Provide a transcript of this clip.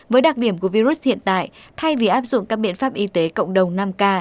với đặc điểm của virus hiện tại thay vì áp dụng các biện pháp y tế cộng đồng năm k